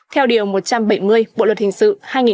theo điều một trăm bảy mươi bộ luật hình sự hai nghìn một mươi năm